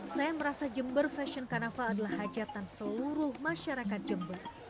saya merasa jember fashion carnaval adalah hajatan seluruh masyarakat jember